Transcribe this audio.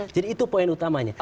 jadi itu poin utamanya